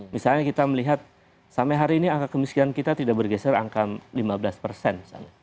misalnya kita melihat sampai hari ini angka kemiskinan kita tidak bergeser angka lima belas persen